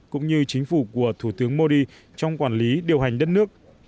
cũng như chính phủ của thủ tướng modi trong quản lý điều hành đất nước